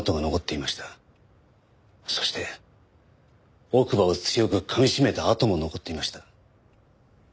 そして奥歯を強く噛みしめた痕も残っていました。